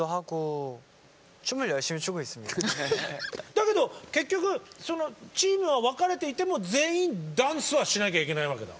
だけど結局そのチームは分かれていても全員ダンスはしなきゃいけないわけだ。